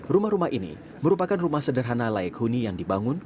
rumah rumah ini merupakan rumah sederhana layak huni yang dibangun